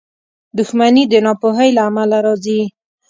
• دښمني د ناپوهۍ له امله راځي.